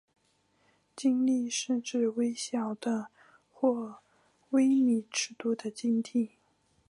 晶粒是指微小的或微米尺度的晶体。